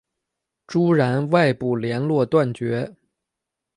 朱然外部连络断绝。